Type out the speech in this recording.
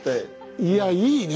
いやいいね。